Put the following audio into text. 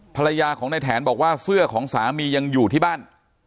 ภรรยาของในแถนบอกว่าเสื้อของสามียังอยู่ที่บ้าน